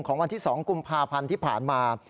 วันที่๒กุมภาพันธ์ที่ผ่านมา